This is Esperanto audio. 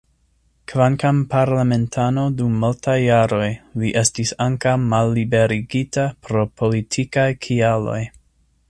Kvankam parlamentano dum multaj jaroj, li estis ankaŭ malliberigita pro politikaj kialoj.